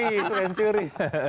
saya bukan pencuri